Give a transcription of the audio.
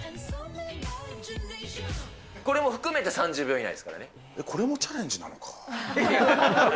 これも含めて３０秒以内ですからこれもチャレンジなのか。